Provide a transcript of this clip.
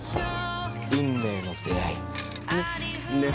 運命の出会い。ね？